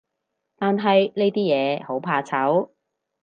但係呢啲嘢，好怕醜